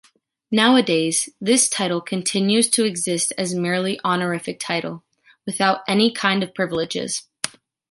Nowadays this title continues to exist as a merely honorific title, without any kind of privileges.